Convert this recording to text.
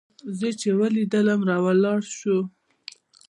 زه چې يې ولېدلم راولاړ سو.